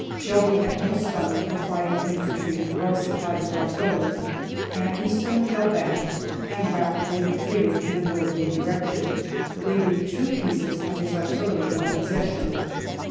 Shelby had no stomach for fighting infantry, well supplied with artillery, and he soon fell back, and rapidly retreated in a northerly direction, leaving two pieces of his artillery in our possession.